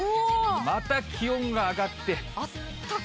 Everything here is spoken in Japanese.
また気温が上がって。